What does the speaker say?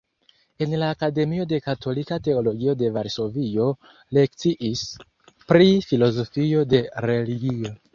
En la Akademio de Katolika Teologio en Varsovio lekciis pri filozofio de religio.